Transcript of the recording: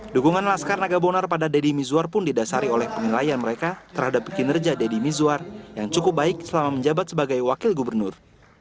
dukungan laskar nagabonar pada deddy mizwar pun didasari oleh penilaian mereka terhadap kinerja deddy mizwar yang cukup baik selama menjabat sebagai wakil gubernur